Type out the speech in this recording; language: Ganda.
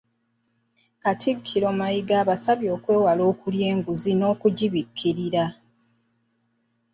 Katikkiro Mayiga abasabye okwewala okulya enguzi n'okugibikkirira.